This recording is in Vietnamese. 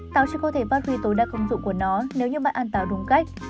táo chỉ có thể phát huy tối đa công dụng của nó nếu như bạn ăn táo đúng cách